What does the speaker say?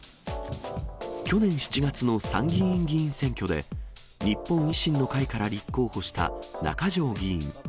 去年７月の参議院議員選挙で、日本維新の会から立候補した中条議員。